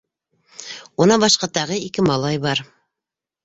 Унан башҡа тағы ике малай бар.